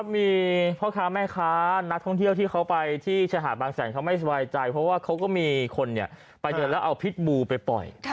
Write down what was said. มีพ่อค้าแม่ค้านักท่องเที่ยวที่เขาไปที่ชายหาดบางแสนเขาไม่สบายใจเพราะว่าเขาก็มีคนไปเดินแล้วเอาพิษบูไปปล่อย